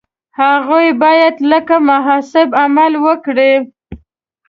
هغوی باید لکه محاسب عمل وکړي.